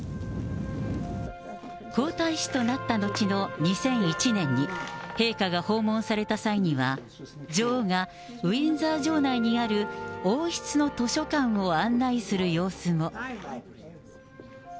皇太子となった後の２００１年に、陛下が訪問された際には、女王がウィンザー城内にある王室の図書館を案内する様子も。